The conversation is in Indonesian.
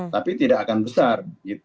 tapi tidak akan besar